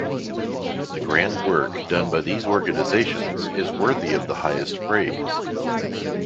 The grand work done by these organizations is worthy of the highest praise.